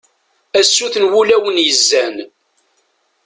a sut n wulawen yezzan